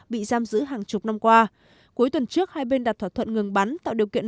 bị giam giữ hàng chục năm qua cuối tuần trước hai bên đặt thỏa thuận ngừng bắn tạo điều kiện